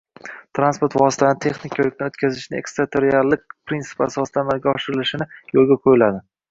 Transport vositalarini texnik koʻrikdan oʻtkazishni eksterritoriallik prinsipi asosida amalga oshirilishini yoʻlga qoʻyiladi.